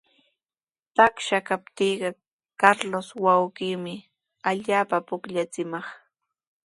Taksha kaptiiqa Carlos wawqiimi allaapa pukllachimaq.